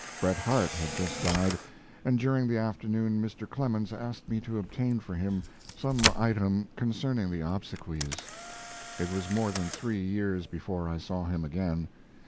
Bret Harte had just died, and during the afternoon Mr. Clemens asked me to obtain for him some item concerning the obsequies. It was more than three years before I saw him again.